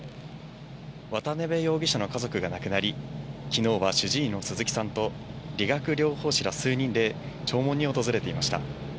渡辺容疑者の家族が亡くなり、きのうは主治医の鈴木さんと、理学療法士ら数人で弔問に訪れていました。